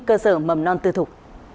cơ sở mầm non tư thục